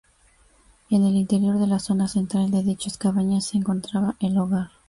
En el interior de la zona central de dichas cabañas se encontraba el hogar.